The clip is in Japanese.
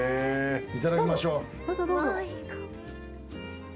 いただきましょう。